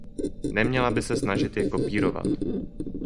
Neměla by se snažit je kopírovat.